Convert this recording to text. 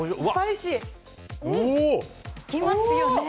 きますよね。